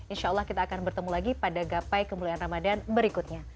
insya allah kita akan bertemu lagi pada gapai kemuliaan ramadhan berikutnya